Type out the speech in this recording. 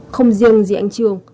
không riêng gì anh trường